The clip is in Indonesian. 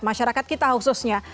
masyarakat kita khususnya